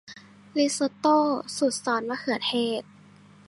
ริซอตโต้สูตรซอสมะเขือเทศ